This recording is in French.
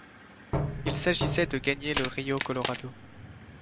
Il s’agissait de gagner le Rio-Colorado.